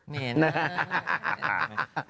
เห็นอ่ะ